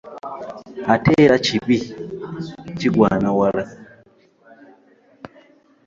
Ate era ekibi kigwana wala .